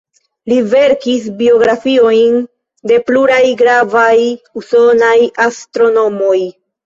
Li verkis biografiojn de pluraj gravaj usonaj astronomoj.